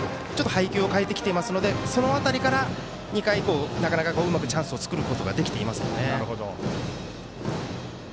配球を変えてきていますのでその辺りから２回以降なかなかチャンスを作ることができていませんね。